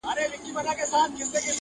خوله یې وازه کړه آواز ته سمدلاسه٫